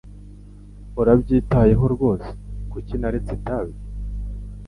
Urabyitayeho rwose kuki naretse itabi?